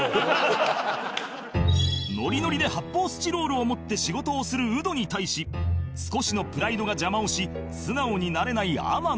ノリノリで発泡スチロールを持って仕事をするウドに対し少しのプライドが邪魔をし素直になれない天野